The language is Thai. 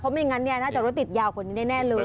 เพราะไม่งั้นน่าจะรถติดยาวคนนี้แน่เลย